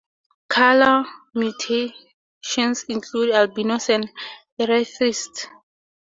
Colour mutations include albinos and erythrists.